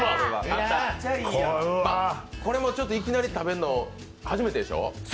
これもいきなり食べるの初めてでしょ？